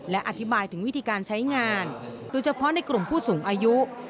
และอธิบายถึงวิธีการใช้งานโดยเฉพาะในกลุ่มผู้สูงอายุ